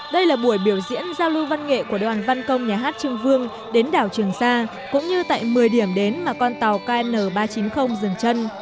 đây là buổi biểu diễn giao lưu văn nghệ của đoàn văn công nhà hát trưng vương đến đảo trường sa cũng như tại một mươi điểm đến mà con tàu kn ba trăm chín mươi dừng chân